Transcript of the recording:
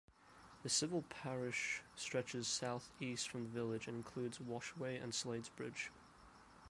The civil parish stretches southeast from the village and includes Washaway and Sladesbridge.